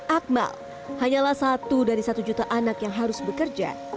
akmal hanyalah satu dari satu juta anak yang harus bekerja